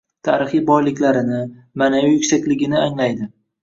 Tarixiy boyliklarini, ma’naviy yuksakligini anglaydi.